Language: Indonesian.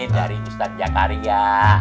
dari ustadz jakaria